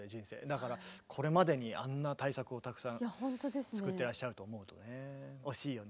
だからこれまでにあんな大作をたくさん作ってらっしゃると思うとね惜しいよね。